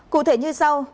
cụ thể như sau